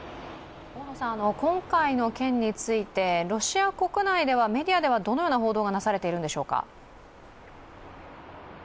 今回の件について、ロシア国内ではメディアではどのような報道がなされているんでしょうか。